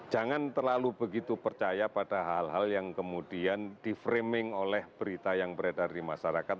jangan terlalu begitu percaya pada hal hal yang kemudian di framing oleh berita yang beredar di masyarakat